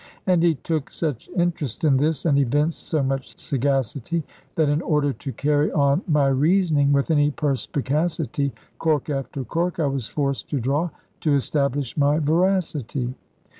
And he took such interest in this, and evinced so much sagacity, that in order to carry on my reasoning with any perspicacity, cork after cork I was forced to draw, to establish my veracity.